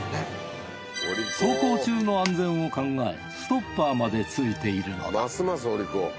走行中の安全を考えストッパーまでついているのだ。